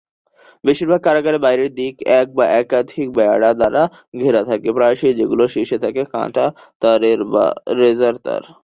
বেশিরভাগ কারাগারের বাইরের দিক এক বা একাধিক বেড়া দ্বারা ঘেরা থাকে, প্রায়শই যেগুলোর শীর্ষে থাকে কাঁটা তারের বা রেজার তার।